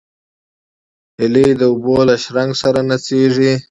هیلۍ د اوبو له شرنګ سره نڅېږي